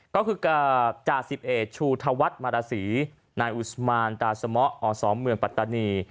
ก็คือกับจา๑๑ชูธวัฒน์มาราศรีนายอุสมาลตาสมะอสเมืองปัตตานี